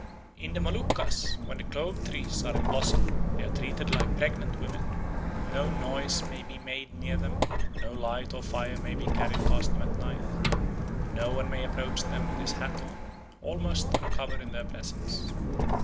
In the Moluccas, when the clove trees are in blossom, they are treated like pregnant women. No noise may be made near them; no light or fire may be carried past them at night; no one may approach them with his hat on, all must uncover in their presence.